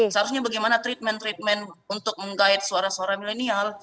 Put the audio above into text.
seharusnya bagaimana treatment treatment untuk menggait suara suara milenial